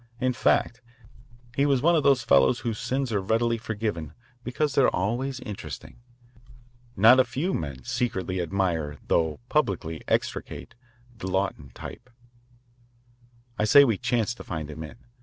In fact, he was one of those fellows whose sins are readily forgiven because they are always interesting. Not a few men secretly admire though publicly execrate the Lawton type. I say we chanced to find him in.